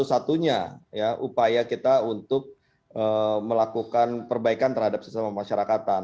ini bukan satu satunya upaya kita untuk melakukan perbaikan terhadap sistem pemasyarakatan